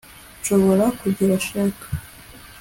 Nshobora kugira cheque